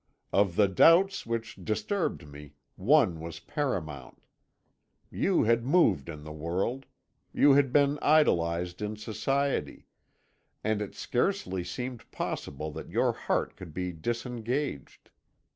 Of the doubts which disturbed me, one was paramount. You had moved in the world you had been idolised in society and it scarcely seemed possible that your heart could be disengaged.